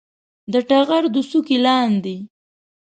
د ټغر د څوکې لاندې